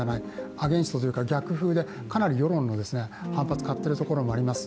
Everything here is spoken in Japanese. アゲンストというか逆風で、かなり世論の反発を買っているものもあります。